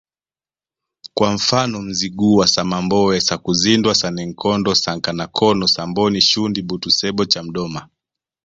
kwa mfano Mzigua Samamboe Sakuzindwa Sannenkondo Sankanakono Samboni Shundi Butu Sebbo Chamdoma